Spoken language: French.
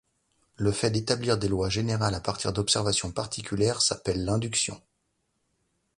Le fait d'établir des lois générales à partir d'observations particulières s'appelle l'induction.